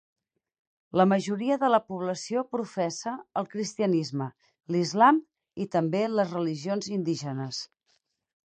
La majoria de la població professa el cristianisme, l'islam i també les religions indígenes.